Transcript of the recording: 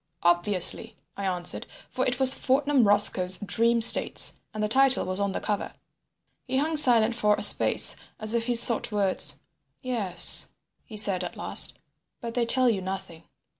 "Obviously," I answered, for it was Fortnum Roscoe's Dream States, and the title was on the cover. He hung silent for a space as if he sought words. "Yes," he said at last, "but they tell you nothing."